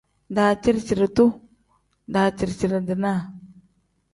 Daciri-ciri-duu pl: daciri-ciri-dinaa n.